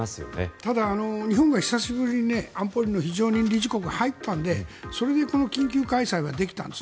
ただ、日本が久しぶりに安保理の非常任理事国に入ったのでそれでこの緊急開催はできたんです。